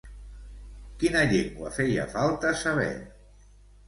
Quina llengua feia falta saber?